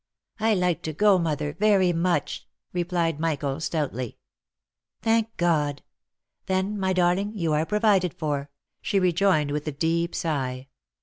" I like to go, mother, very much," replied Michael, stoutly. " Thank God ! then, my darling — you are provided for," she re joined with a deep sigh.